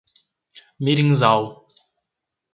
Mirinzal